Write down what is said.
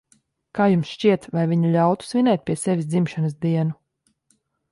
Kā jums šķiet, vai viņa ļautu svinēt pie sevis dzimšanas dienu?